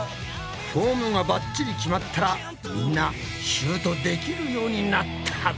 フォームがバッチリ決まったらみんなシュートできるようになったぞ！